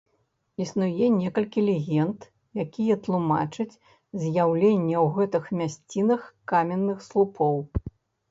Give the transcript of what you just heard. Існуе некалькі легенд, якія тлумачаць з'яўленне ў гэтых мясцінах каменных слупоў.